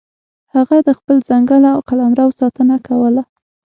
هغه د خپل ځنګل او قلمرو ساتنه کوله.